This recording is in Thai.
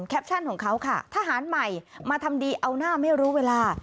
ของเขาค่ะทหารใหม่มาทำดีเอาหน้าไม่รู้เวลา